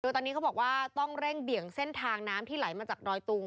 ตอนนี้เขาบอกว่าต้องเร่งเบี่ยงเส้นทางน้ำที่ไหลมาจากดอยตุง